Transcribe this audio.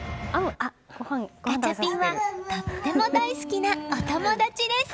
ガチャピンはとても大好きなお友達です！